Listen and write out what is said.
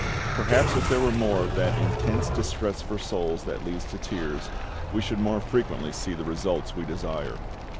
Perhaps if there were more of that intense distress for souls that leads to tears, we should more frequently see the results we desire.